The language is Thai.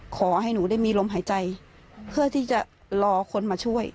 ขอให้หนูได้มีลมหายใจเพื่อที่จะรอคนมาช่วย